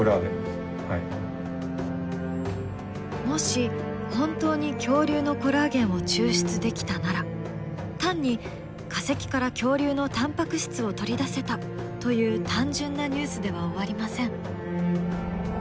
もし本当に恐竜のコラーゲンを抽出できたなら単に化石から恐竜のタンパク質を取り出せた！という単純なニュースでは終わりません。